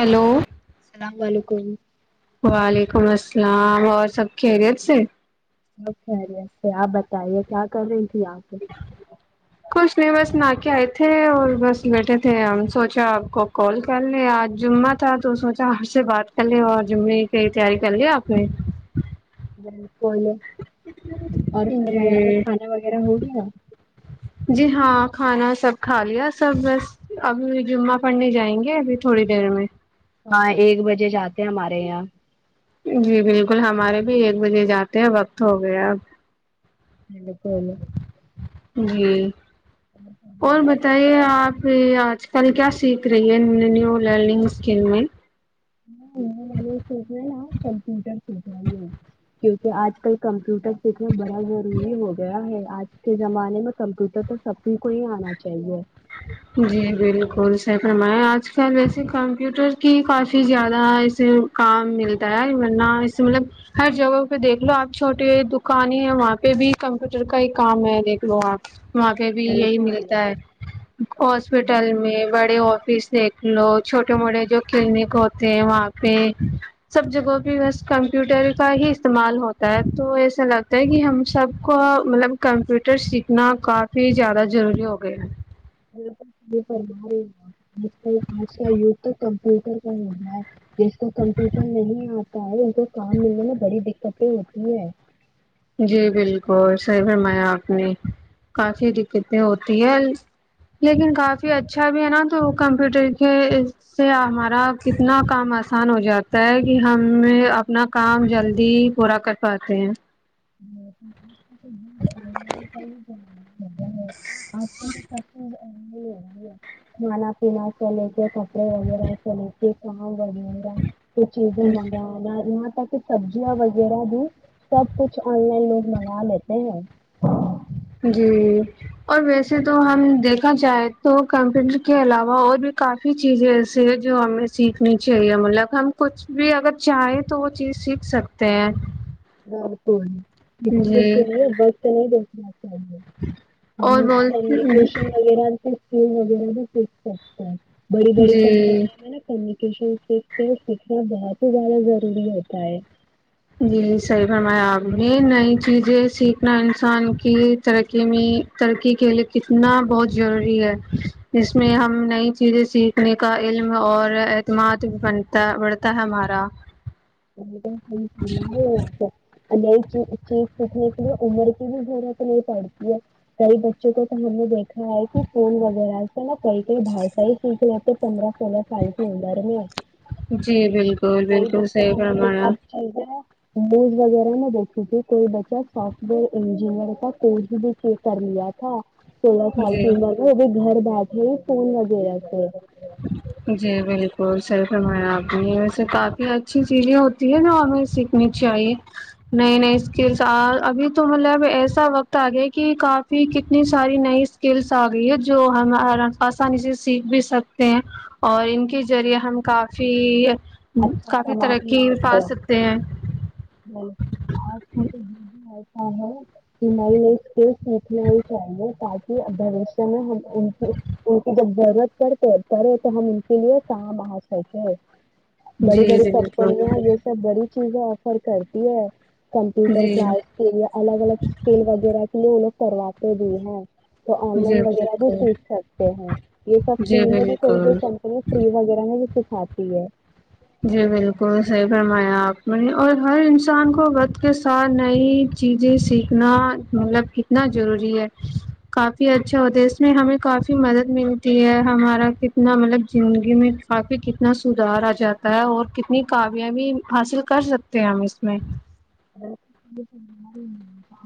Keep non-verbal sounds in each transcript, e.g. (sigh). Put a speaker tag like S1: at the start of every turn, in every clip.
S1: hello (unintelligible)
S2: اللام و علیکم (unintelligible)
S1: وعلیکم السلام اور سب خیریت سے (unintelligible)
S2: ا خریے آپ بتائیے کیا کر رہی (unintelligible)
S1: کھ نہیں بس نہ کے (unintelligible) کے آئے تھے اور بس بیٹھے تھے ہم سوچا آپ کو کال کر لے آج جمعہ تھا تو سوچا ہ سے بات کر لے اور جمے کی تیاری کر لے آپ نے (unintelligible)
S2: جی (inaudible) بولے اور سرمایا کا
S1: جی
S2: کھانا وغیرہ ہو گیا
S1: جی
S2: (unintelligible)
S1: ہاں کھانا سب کھا لیا سب بس اب جمعہ پڑھنے جائیں گے ابھی تھوڑی دیر میں (unintelligible)
S2: ہاں ایک بجے جاتے ہیں ہمارے یہاں (unintelligible)
S1: جی بالکل ہمارے بھی ایک بجے جاتے ہیں وقت ہو گیا اب (unintelligible)
S2: ج پول (inaudible)
S1: جی (inaudible) اور بتائیے آپ (unintelligible) یہ آج کل کیا سیکھ رہی ہے نیو لرننگ اسکم میں (unintelligible)
S2: ہ سوچنا نا کمپیوٹر سیکھ رہ کیونکہ آج کل کمپیوٹر (inaudible) سکن بڑا ضروری ہو گیا ہے (unintelligible) آج کے زمانے میں کمپیوٹر تو سبھی کو ہی آنا چاہیے
S1: جی بالکل سح فرما آج کل ویسے کمپیوٹر کی کافی زیادہ ایسے کام ملتا ہے ورنہ اس مطلب ہر جگہوں پہ دیکھ لو آپ چھوٹیے دکانیں ہیں وہاں پہ بھی کمپیوٹر کا ہی کام ہے دیکھ لو آپ وہاں پہ بھی یہی
S2: بالکل
S1: ملتا ہے ہاسپٹل میں (unintelligible) بڑے آفس دیکھ لو چھوٹے موٹے جو کلینک ہوتے ہیں وہاں پہ سب جگہ پہ بس کمپیوٹر کا ہی استعمال ہوتا ہے تو ایسا لگتا ہے کہ ہم سب کو مطلب کمپیوٹر سیکھنا کافی زیادہ ضروری ہو گیا ہے
S2: فم ہوج کل آج کا گ تو کمپیوٹر کا ہو گیا ہے جس کو کمپیوٹر نہیں آتا ہوتا ہے ان کو کام ملنے میںا بڑی دقتیں ہوتی ہے
S1: جی بالکل سی فرمایا آپ نے کافی دقتیں ہوتی ہے لیکن کافی اچھا بھی ہے نا تو کمپیوٹر کے اس سے ہمارا کتنا کام آسان ہو جاتا ہے کہ ہم اپنا کام جلدی پورا کر پاتے ہیں
S2: آن
S1: اچا (unintelligible)
S2: لائن ہے آج کل تو سب ی کھانا پینا چلے کے کپڑے وغیرہ چلے کے کام وغہ ما کو چیزیں مگا تک سبزیاں وغیرہ بھی سب کچھ آن لائن لوگ منگا لیتے ہیں ہاں (unintelligible)
S1: جی اور ویسے تو ہم دیکھا جائے تو کمپیوٹر کے علاوہ اور بھی کافی چیزیں ایسی ہے جو ہمیں سیکھنی چاہیے مطلق ہم کچھ بھی اگر چاہیں تو وہ چیز سیکھ سکتے ہیں
S2: ر تو (unintelligible)
S1: جی
S2: دنےے بس تو نہیں دیکھنا چاہیے ہم
S1: اور بول
S2: کمیونکیشن وغیرہ سے وغیرہ بھی سیکھ سکتے ہیں بڑی بڑی
S1: جی
S2: کمپنییاں میں نا کمی شیک سیکھنا بہت ہی زیادہ ضروری ہوتا ہے
S1: جی جی صحیح فرمایا آپ نے نئی چیزیں سیکھنا انسان کی ترقی میں ترقی کے لیے کتنا بہت ضروری ہے ج میں ہم نئی چیزیں سیکھنے کا علم اور اعتماد بنتا بڑھتا ہے ہمارا
S2: جن (unintelligible) ہار (unintelligible) نئی چیز سیکھنے کے لیے عمر کی بھی ضرورت نہیں پڑتی ہے کئی بچوں کو تو ہم نے دیکھا ہے کہ فول وغیرہ میں کئی کئی باشا سیکھ رہتے پندرہ سولہ سال کی عمر میں
S1: جی بالکل
S2: کئی
S1: بالکل
S2: بچوں
S1: صحی (unintelligible)
S2: یہ سب چیزیں (unintelligible) وز وغیرہ میں دیکھی تھی کوئی بچہ سافٹ ویئر انجینئر کا کورس بھی کر لیا تھا سولہ سال
S1: جی
S2: کی عمر میں وہ بھی گھر بٹری فون وغیرہ سے
S1: جی بالکل سرفم آپ ویسے کافی اچھی چیزیں ہوتی ہے نا ہمیں سیکھنی چاہیے نئی نئی اسکلس ابھی تو مطلبب ایسا وقت آ گیا کہ کافی کتنی ساری نئی اسکلس آ گئی ہے جو ہم آسانی سے سیکھ بھی سکتے اور ان کے ذریعے ہم کافی
S2: اچھا
S1: کافی
S2: بھی
S1: ترقی پا
S2: کر
S1: سکتے ہیں
S2: آج تو ہاں ہاں نئی نئی اسکل سیکھنا ہی چاہیے تاکہ بوشیہ میں ہم انچ انون کی جب جور کرتے کرے تو ہم ان کے لیے کہاں بر کرتے بڑی
S1: جی
S2: بڑی
S1: بالکل
S2: کمپنیاں یہ سب بڑی چیزیں آفر کرتی ہے کمپوٹر
S1: جی
S2: کلاس کے الگ الگ فل وغیرہ نے ان لوگ کرواتے بھی ہیں تو آن لائن
S1: جی
S2: وغیرہ بھی
S1: بالکل
S2: سیکھ سکتے ہیں یہ سب فری
S1: جی
S2: میں بھی کوئی کوئی
S1: بالکل
S2: کمپنی فری وغیرہ میں بھی سکھاتی ہے
S1: جی بالکل صحیح فرمایا آپ نے اور ہر انسان کو وقت کے ساتھ نئی چیزیں سیکھنا مطلب کتنا ضروری ہے کافی اچھا ہوتا ہے اس میں ہمیں کافی مدد ملتی ہے ہمارا کتنا مطلب زندگی میں کافی کتنا سدھار آ جاتا اور کتنی کامیابی حاصل کر سکتے ہیں ہم اس میں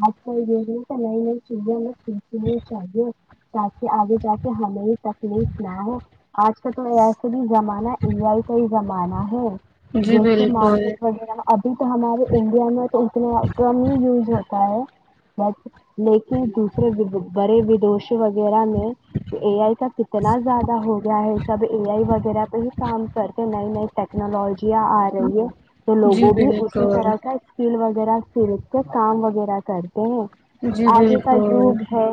S2: آج ک ہی د نئی نئی چیزیں میں ج شاہی تاکہ آگے جا کے ہمیں یہ تکلیف نہ ہو آج کا تو ایسے بھی زمانہ ا آئی کا ہی زمانہ ہے
S1: جی
S2: جیسے
S1: بالکل
S2: مارکیٹ وغیرہ ابھی تو ہمارے انڈیا میں تو ک ہی یز ہوتا ہے ب لیکن دوسرے بڑے ودوش وغیرہ میں اے آئی کا کتنا زیادہ ہو گیا ہے سب اے آئی وغیرہ پہ ہی کام کر کے نئی نئی ٹیکنالوجیاں آ رہی ہے تو
S1: جی
S2: لوگوں بھی اسی
S1: بالکل
S2: طرح کا اسکل و وا ا کام وغیرہ کرتے
S1: جی
S2: آگے کا
S1: بالکل
S2: جوگ ہے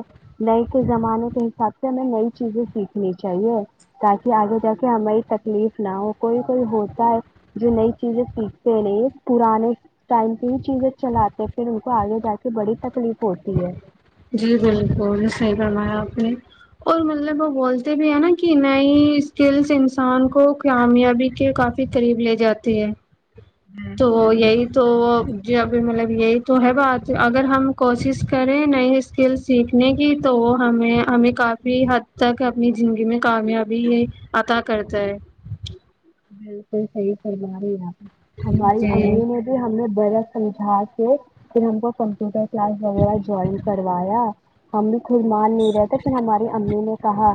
S2: نئے کے زمانے کے حساب سے ہمیں نئی چیزیں سیکھنی چاہیے تاکہ آگے جا کے ہماری تکلیف نہ ہو کوئی کوئی ہوتا ہے جو نئی چیزیں سیکھتے رہیے پرانے ٹائم یہ چیزیں چلاتے پھر ان کو آگے جا کے بڑی تکلیف ہوتی ہے
S1: جی بالکل صحیح فمایا آپ نے اور مطلب وہ بولتے بھی ہیں نا کہ نئی اسکلس انسان کو کامیابی کے کافی قریب لے جاتی ہے تو یہی تو جو ابھی مطلب یہی تو ہے بات اگر ہم کوشش کریں نہیں اسکل سیکھنے کی تو ہمیں ہمیں کافی حد تک اپنی زندگی میں کامیابی عطا کرتا ہے
S2: بالکل صحی سھر بنا لینا ہماری
S1: جی
S2: امی نے بھی ہمیں برف الجا سے پھر ہم کو کمپیوٹر کلاس وغیرہ جوائن کرایا ہم نے خرمان نہیں رہتا پھر ہماری امی نے کہا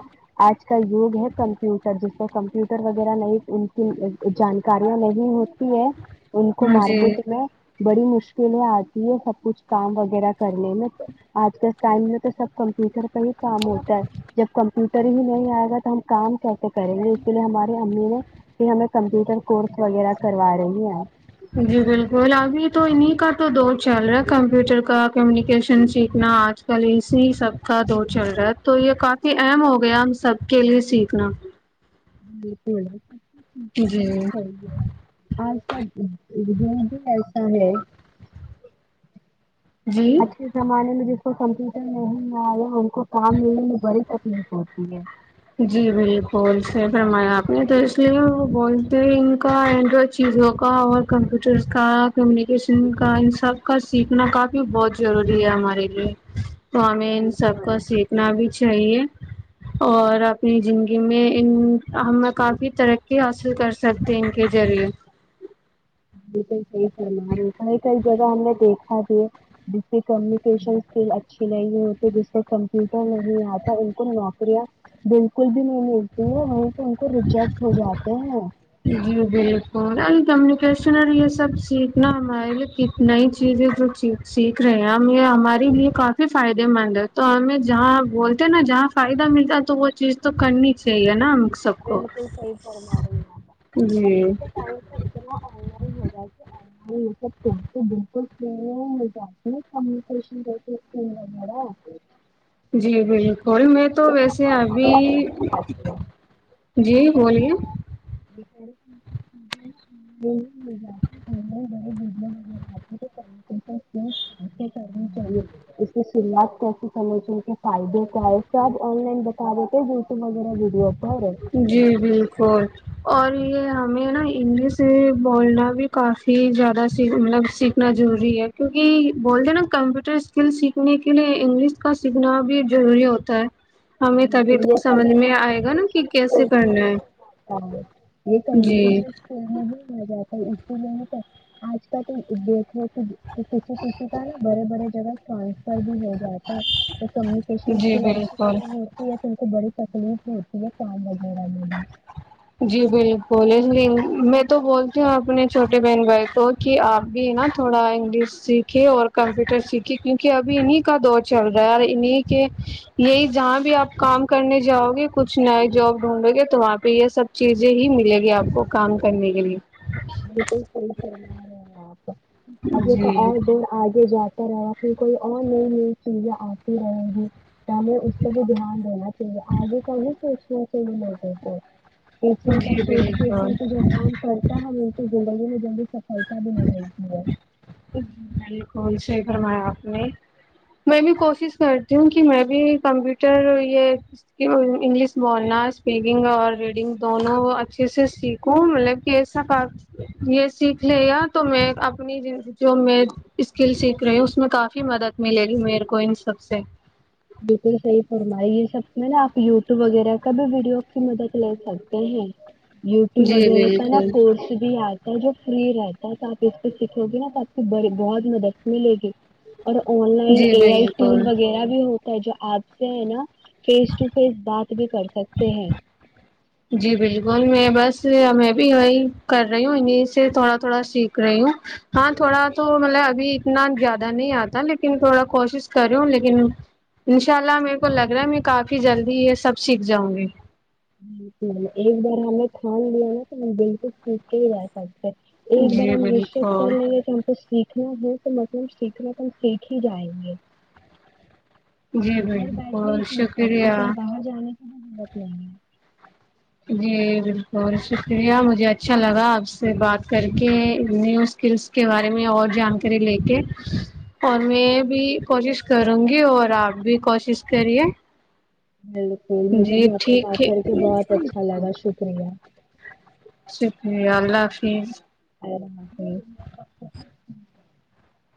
S2: آج کا یوگ ہے کمپیوٹر جس پ کمپیوٹر وغیرہ نہیں ان کی جانکاریاں نہیں ہوتی ہے ان کو
S1: ہاں جی
S2: مارکیٹ میں بڑی مشکلیں آتی ہے سب کچھ کام وغیرہ کرنے میں آج کے ٹائم میں تو سب کمپیوٹر پ ہی کام ہوتا ہے جب کمپیوٹر ہی نہیں آئے گا تو ہم کام کیسے کریں گے اس کے لیے ہماری امی نے پ ہمیں کمپیوٹر کورس وغیرہ کروا رہی ہے
S1: جی بالکل ابھی تو انیں کا تو دور چل رہا ہے کمپیوٹر کا کمیونیکیشن سیکھنا آج کل اسی سب کا دور چل رہا ہے تو یہ کافی اہم ہو گیا سب کے لیے سیکھنا
S2: جی بول (unintelligible)
S1: جی
S2: یے آج (unintelligible) یہ بھی ایسا ہے (unintelligible)
S1: جی
S2: آج کے زمانے میں جس (unintelligible) کمپیوٹر نہیں نہ آیا ان کو کام ملنے میں بڑی تکلیف ہوتی ہے
S1: جی بالکل س فرمایا آپ نے تو اس لیے وہ بولتے ہیں ان کا اینڈرائڈ چیزوں کا اور کمپیوٹر کا کمیونیکیشن کا ان سب کا سیکھنا کافی بہت ضروری ہے ہمارے لیے ام سب
S2: بالکل
S1: کا سیکھنا بھی چ (unintelligible) چاہیے اور اپنی زندگی میں ہم کافی ترقی حاصل کر سکتے ہیں ان کے ذریعے
S2: ئی سلان کئی کئی جگہ ہم نے دیکھا بھی جس سے کمیونکیشن اسکل اچھی نہیں ہوتی جس سے کمپیوٹر نہیں آتا ان کو نوکریاں بالکل بھی نہیں ملتی ہیں ہم تو ان کو ریجیکٹ ہو جاتے ہیں
S1: جی بالکل کمیونیکیشن اور یہ سب سیکھنا ہمارے لیے نئی چیزیں جو سیکھ رہے ہیں ہم یہ ہمارے لیے کافی فائدے مند ہے تو ہمیں جہاں بولتے ہیں نا جہاں فائدہ ملتا تو وہ چیز تو کرنی چاہیے نا ہم کو سب
S2: بالکل صحی پررما رہےا (unintelligible) آپ
S1: جی
S2: کو تو چاہیے تھ اتنا آن لائن ہو جائے گ یہ سب ت تو بالکل س ہو مجھے اپنی کمییکیشن ویرہ آ
S1: جی جی (unintelligible) ہو میں تو ویسے
S2: بات
S1: ابھی
S2: آن لائن ہی
S1: جی بلیے (unintelligible)
S2: جات (unintelligible) کمیونیکیشن اسکلس کیسے کرنی چاہیے اس کی سروعات کیسی سمجھ رہ ہیں کہ فائدے کیا ہے اس سے آپ آن لائن بتا دیتے ہیں یوٹیوب وغیرہ ویڈیو پر
S1: جی بالکل (unintelligible) اور یہ ہمیں نا انگلش بولنا بھی کافی زیادہ س مطلب سیکھنا ضروری ہے کیونکہ بولتے ہیں نا کمپیوٹر اسکل سیکھنے کے لیے انگلش کا سیکھنا بھی ضروری ہوتا ہے ہمیں تبھی
S2: بالکل یہ
S1: تو
S2: سب
S1: سمجھ میں آئے گا نا
S2: ہے
S1: کہ کیسے کرنا ہے
S2: یہ کمییشن
S1: جی
S2: اسک نہیں ہو جاتا ل تو آج کال تو دیکھو کھ کسی کسی کا ن برے برے (unintelligible) جا (unintelligible) ٹرانسفر بھی ہو جاتا ہے تو کمیونکیشن
S1: جی
S2: اسکل اچھی
S1: بالکل
S2: مورتی ہے تم سے بڑی تکلیف ہوتی ہے کام وغیرہ میں بھی
S1: جی بلکل اس لیے میں تو بولتی ہوں اپنے چھوٹے بہن بھائی کو کہ آپ بھی نا تھوڑا انگلش سیکھے اور کمپیوٹر سیکھے کیونکہ ابھی انہیں کا دور چل رہا ہے اور انیں کے یہی جہاں بھی آپ کام کرنے جاؤ گے کچھ نئے جاب ڈھونڈو گے تو وہاں پہ یہ سب چیزیں ہی ملے گی آپ کو کام کرنے کے لیے
S2: بلکل صحیح فرمایا آپ مجے تو
S1: جی
S2: اور بور آگے جاتا پھر کوئی اور نئی نئی چیزیں آتی رہیں گی تو ہمیں اس پہ بھی دھیان دینا چاہیے آگے کاہی سوچنا (inaudible) ایسے کا
S1: جی
S2: سوچتے پے
S1: بالکل
S2: تو جو کام کرتا ہے جنگل میں جنی سفلتا بھی نہیں ملتی ہے
S1: ج بلکل صحیح فرمایا آپ نے میں بھی کوشش کرتی ہوں کہ میں بھی کمپیوٹر یہ انگلش بولنا اسپیکنگ اور ریڈنگ دونوں اچھے سے سیکھوں مطلب کہ ایسا یہ سیکھ لے گا تو میں اپنی جو میں اسکل سیکھ رہی ہوں اس میں کافی مدد ملے گی میرے کو ان سب سے
S2: بلکل صحیح فرمائی یہ سب میں نا آپ یوٹیوب وغیرہ کا بھی ویڈیو کی مدد لے سکتے ہیں یوٹیوب
S1: جی
S2: وغیرہ کا نا
S1: بالکل
S2: کوورس بھی آیا جو فری رہتا ہے تو آپ اس کو سیککھو گے نا تو آپ کی بڑی بہت مدد ملے گی اور on line
S1: G
S2: a I tool
S1: بالکل
S2: وغیرہ بھی ہو جو آپ سے ہے نا فیس ٹو فیس بات بھی کر سکتے ہیں
S1: جی بلکل میں بس میں بھی یہی کر رہی ہوں انہیں سے تھوڑا تھوڑا سیکھ رہی ہوں ہاں تھوڑا تو مطلب ابھی اتنا زیادہ نہیں آتا لیکن تھوڑا کوشش کر رہی ہوں لیکن انشاء اللہ میرے کو لگ رہا ہے میں کافی جلدی یہ سب سیکھ جاؤں گی
S2: ج ایک بار ہمیں ٹھان لیا نا تو بلکل سیکھ کے ہی رہا سکتے ایک بار
S1: جی
S2: ہم معشت کر
S1: بالکل
S2: لیں گے کہ ہم کو سیکھ سیکھنا ہے تو مطلب سیکھنا تو ہم سیکھ ہی جائیں گے
S1: جی
S2: ادھر بیٹنے ہی
S1: بالکل
S2: چیز کرتے
S1: شکریہ
S2: کہیں باہر جانے بت لیں گے
S1: جی بلکل شکریہ مجھے اچھا لگا آپ سے بات کر کے نیو اسکلس کے بارے میں اور جانکاری لے کے اور میں بھی کوشش کروں گی اور آپ بھی کوشش کریے
S2: بالکل مجھے
S1: جی
S2: بھی آپ سے
S1: ٹھیک
S2: بات
S1: ہے
S2: کر کے بہت اچھا لگا شک شکریہ
S1: شکریہ اللہ حافظ
S2: (inaudible)